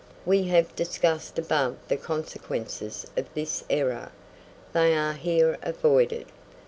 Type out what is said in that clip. We have discussed above the consequences of this error, They are here avoided.